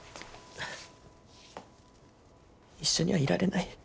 一緒にはいられない。